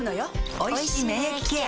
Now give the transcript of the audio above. おいしい免疫ケア